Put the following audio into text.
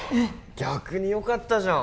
逆によかったじゃん